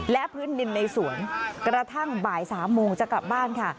และพื้นดินในสวนกระทั่งบ่าย๓โมงจะกลับบ้านค่ะ